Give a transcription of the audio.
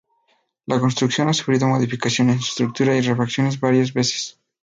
La construcción ha sufrido modificaciones en su estructura y refacciones varias veces.